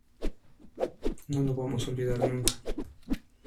no lo vamos a olvidar nunca.